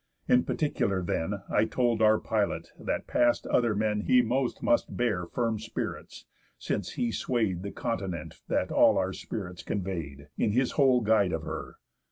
In particular then, I told our pilot, that past other men He most must bear firm spirits, since he sway'd The continent that all our spirits convey'd, In his whole guide of her.